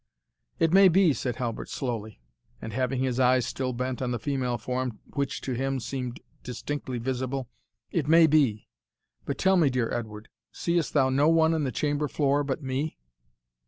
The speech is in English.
"It may be," said Halbert slowly, and having his eye still bent on the female form which to him seemed distinctly visible, "it may be. But tell me, dear Edward, seest thou no one on the chamber floor but me?"